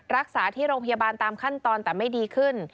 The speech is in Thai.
รักษาที่โรงพยาบาลตามขั้นตอนแต่ไม่ดีขึ้น